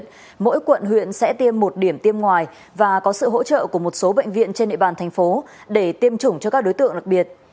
tuy nhiên mỗi quận huyện sẽ tiêm một điểm tiêm ngoài và có sự hỗ trợ của một số bệnh viện trên nệ bản thành phố để tiêm chủng cho các đối tượng đặc biệt